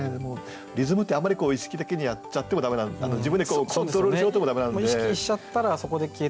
リズムってあんまり意識的にやっちゃっても駄目自分でコントロールしようと思っても駄目なんで。